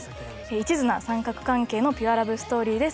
一途な三角関係のピュアラブストーリーです